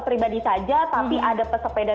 pribadi saja tapi ada pesepeda